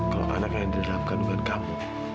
kalau anaknya yang diramkan dengan kamu